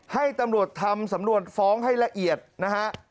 ให้ตำรวจทำสำนวนฟ้องให้ละเอียดนะฮะ